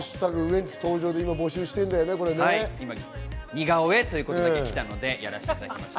似顔絵ということが出てきたのでやらせていただきました。